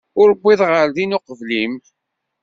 Ur uwiḍeɣ ɣer din uqbel-im.